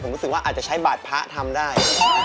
ผมรู้สึกว่าอาจจะใช้บัตรพระทำได้